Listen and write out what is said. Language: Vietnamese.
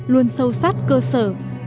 luôn sâu sát cơ sở